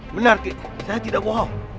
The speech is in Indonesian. benar saya tidak bohong